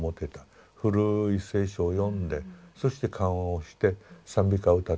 古い聖書を読んでそして賛美歌を歌ってた。